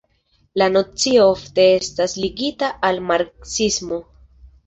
La nocio ofte estas ligita al marksismo.